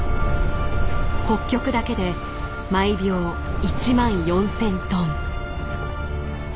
北極だけで毎秒１万４，０００トン。